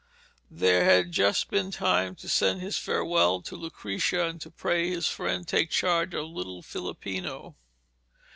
There had just been time to send his farewell to Lucrezia, and to pray his friend to take charge of little Filippino.